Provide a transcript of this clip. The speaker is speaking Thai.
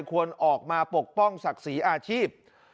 ควรออกมาปกป้องศักดิ์ศรีอาชีพ